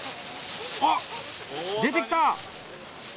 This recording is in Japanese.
あっ、出てきた。